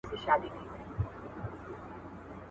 • اوړه دي پر اوړه، منت دي پر څه؟